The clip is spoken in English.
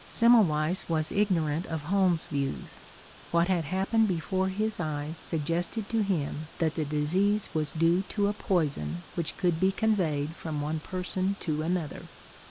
Semmelweiss was ignorant of Holmes' views; what had happened before his eyes suggested to him that the disease was due to a poison which could be conveyed from one person to another.